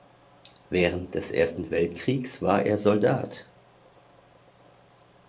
Während des Ersten Weltkriegs war er Soldat.